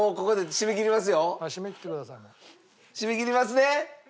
締め切りますね。